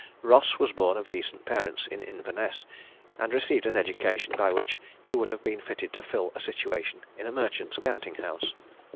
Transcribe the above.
Ross was born of decent parents in Inverness, and received an education by which he would have been fitted to fill a situation in a merchant's counting house.